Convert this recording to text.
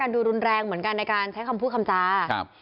ดูรุนแรงเหมือนการใช้คำพูดคำตรา